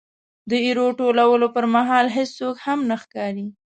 د ایرو ټولولو پرمهال هېڅوک هم نه ښکاري.